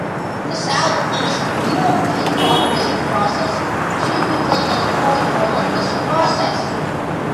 The South-East European Cooperation Process should be playing an important role in this process.